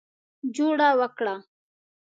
جوړه وکړه.